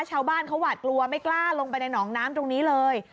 ชาวบ้านเขาหวาดกลัวไม่กล้าลงไปในหนองน้ำตรงนี้เลย